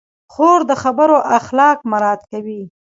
خور د خبرو اخلاق مراعت کوي.